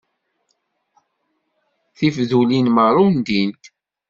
Tifdulin merra undint.